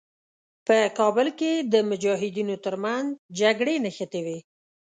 په کابل کې د مجاهدینو تر منځ جګړې نښتې وې.